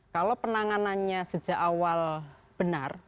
kalau penanganannya sejak awal benar